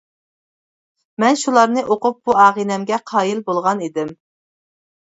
مەن شۇلارنى ئوقۇپ بۇ ئاغىنەمگە قايىل بولغان ئىدىم.